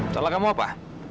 salah kamu apa